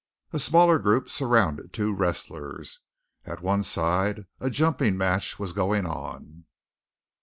A smaller group surrounded two wrestlers. At one side a jumping match was going on.